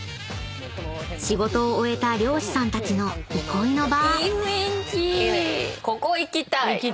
［仕事を終えた漁師さんたちの憩いの場］行きたい。